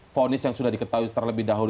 fonis yang sudah diketahui terlebih dahulu